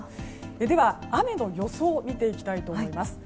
では、雨の予想を見ていきたいと思います。